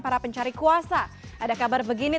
para pencari kuasa ada kabar begini